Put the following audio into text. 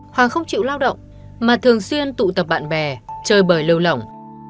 hoàng không chịu lao động mà thường xuyên tụ tập bạn bè chơi bởi lâu lỏng